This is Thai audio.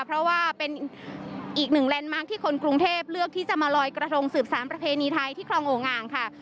เพราะว่าเป็นอีกหนึ่งแลนด์มาร์คที่คนกรุงเทพเลือกที่จะมาลอยกระทงสืบสารประเพณีไทยที่คลองโออ่างค่ะ